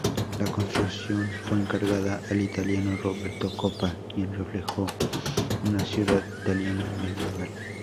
La construcción fue encargada al italiano Roberto Coppa quien reflejó una ciudad italiana medieval.